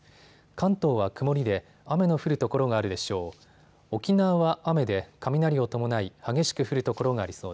関東は曇りで雨の降る所があるでしょう。